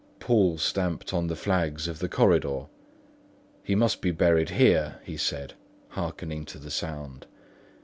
Poole stamped on the flags of the corridor. "He must be buried here," he said, hearkening to the sound.